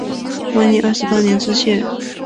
万历二十八年知县。